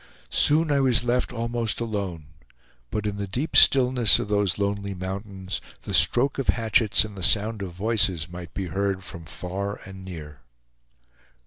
Soon I was left almost alone; but in the deep stillness of those lonely mountains, the stroke of hatchets and the sound of voices might be heard from far and near.